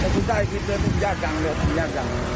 ผู้ชายขี่เกลือทำยากจังเลยทำยากจัง